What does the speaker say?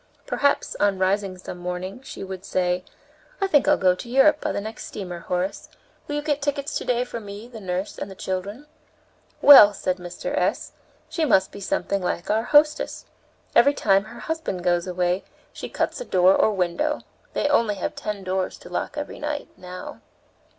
Perhaps, on rising some morning, she would say: "I think I'll go to Europe by the next steamer, Horace. Will you get tickets to day for me, the nurse, and children?" "Well," said Mr. S., "she must be something like our hostess. Every time her husband goes away she cuts a door or window. They have only ten doors to lock every night, now."